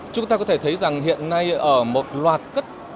chúng ta có thể thấy rằng hiện nay ở một loạt cất